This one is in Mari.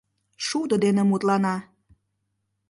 Шудо дене мутлана.